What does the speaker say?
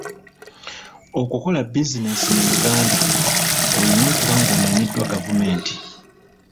Okukola bizinensi mu Uganda, olina okuba ng'omanyiddwa gavumenti.